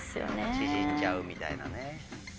縮んじゃうみたいなね。